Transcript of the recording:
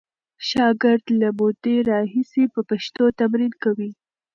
شاګرد له مودې راهیسې په پښتو تمرین کوي.